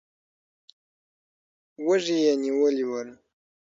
وږي یې نیولي ول.